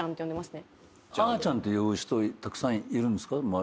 あーちゃんって呼ぶ人たくさんいるんですか？